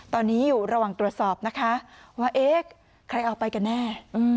ตอนนี้อยู่ระหว่างตรวจสอบนะคะว่าเอ๊ะใครเอาไปกันแน่